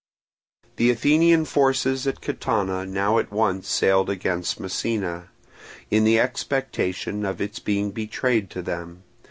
The Athenian forces at Catana now at once sailed against Messina, in the expectation of its being betrayed to them.